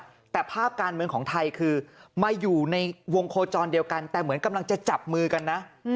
แต่ภาพการเมืองของไทยคือมาอยู่ในวงโคจรเดียวกันแต่เหมือนกำลังจะจับมือกันนะ